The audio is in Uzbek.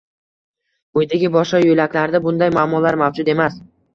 Uydagi boshqa yoʻlaklarda bunday muammolar mavjud emas.